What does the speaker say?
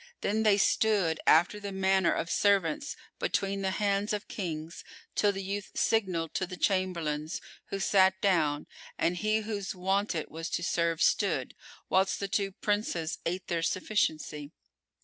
Then they stood, after the manner of servants between the hands of Kings, till the youth signalled to the Chamberlains, who sat down, and he whose wont it was to serve stood, whilst the two Princes ate their sufficiency.